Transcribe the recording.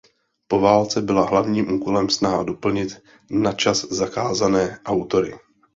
Po válce byla hlavním úkolem snaha doplnit načas zakázané autory.